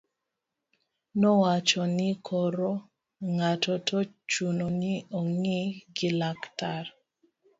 nowacho ni koro ng'ano to chuno ni ong'i gi laktar